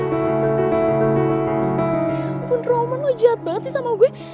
ya ampun wulan lo jahat banget sih sama gue